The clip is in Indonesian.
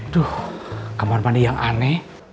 tuh kamar mandi yang aneh